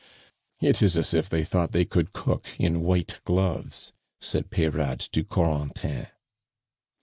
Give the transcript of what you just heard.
"It is as if they thought they could cook in white gloves," said Peyrade to Corentin.